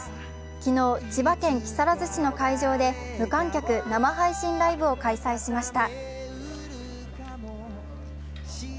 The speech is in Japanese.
昨日、千葉県木更津市の会場で無観客生配信ライブを開催しました。